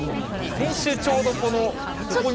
先週、ちょうどここに。